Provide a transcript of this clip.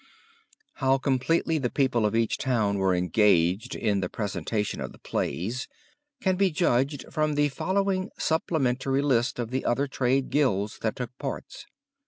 How completely the people of each town were engaged in the presentation of the plays, can be judged from the following supplementary list of the other trade guilds that took parts.